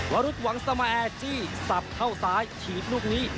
วรุษหวังสมาแอร์จี้สับเข้าซ้ายฉีดลูกนี้